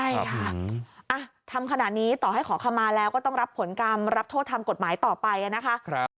ใช่ค่ะทำขนาดนี้ต่อให้ขอคำมาแล้วก็ต้องรับผลกรรมรับโทษทางกฎหมายต่อไปนะคะ